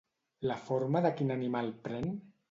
La forma de quin animal pren?